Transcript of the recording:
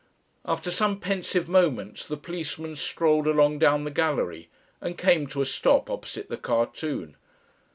After some pensive moments the policeman strolled along down the gallery and came to a stop opposite the cartoon.